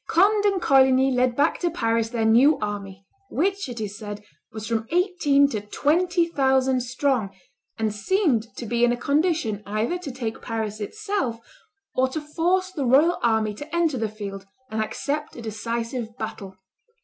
Conde and Coligny led back to Paris their new army, which, it is said, was from eighteen to twenty thousand strong, and seemed to be in a condition either to take Paris itself, or to force the royal army to enter the field and accept a decisive battle.